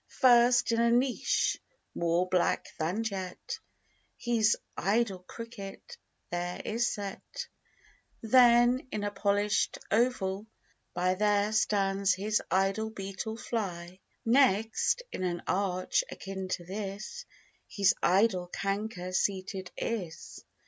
First in a niche, more black than jet, His idol cricket there is set; Then in a polish'd oval by There stands his idol beetle fly; Next, in an arch, akin to this, His idol canker seated is.